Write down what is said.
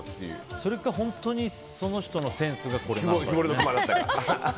それか、本当にその人のセンスがこれなのか。